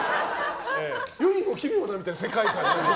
「世にも奇妙な」みたいな世界観。